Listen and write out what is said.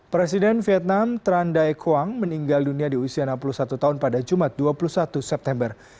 presiden vietnam tranda e khuang meninggal dunia di usia enam puluh satu tahun pada jumat dua puluh satu september